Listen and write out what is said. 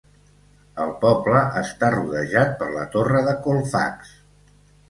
El poble està rodejat per la torre de Colfax.